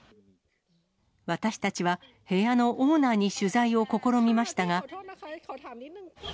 私たちは部屋のオーナーに取材を試みましたが。